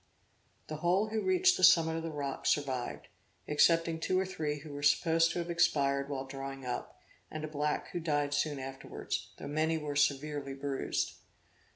The whole who reached the summit of the rock survived, excepting two or three who were supposed to have expired while drawing up, and a black who died soon afterwards; though many were severely bruised.